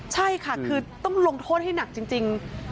ใช่ค่ะคือต้องลงโทษให้หนักจริง